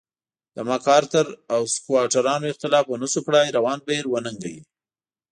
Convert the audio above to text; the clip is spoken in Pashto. د مک ارتر او سکواټورانو اختلاف ونشو کړای روان بهیر وننګوي.